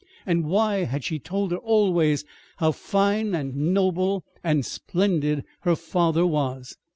And why had she told her always how fine and noble and splendid her father was.